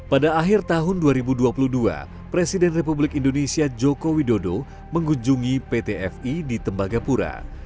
pada akhir tahun dua ribu dua puluh dua presiden republik indonesia joko widodo mengunjungi pt fi di tembagapura